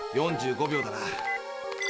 ４５秒だな。